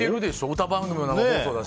歌番組とかもそうだし。